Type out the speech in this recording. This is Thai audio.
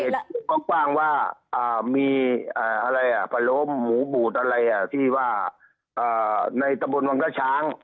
เพจรู้กว้างว่ามีอะไรอ่ะฝรมหมูบุตรอะไรอ่ะที่ว่าในตะบนวังกระช้าง